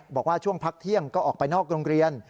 บอกว่าช่วงพักเที่ยงก็ออกไปนอกโรงเรียน